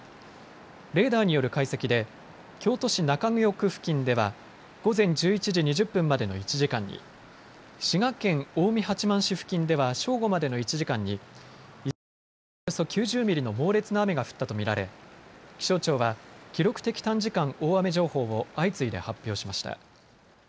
レーダーによる解析で京都市中京区付近では午前１１時２０分までの１時間に、滋賀県近江八幡市付近では正午までの１時間にいずれもおよそ９０ミリの猛烈な雨が降ったと見られ、気象庁は記録的短時間大雨情報を相次いで発表しました。